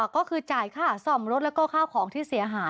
ก็คือจ่ายค่าซ่อมรถแล้วก็ข้าวของที่เสียหาย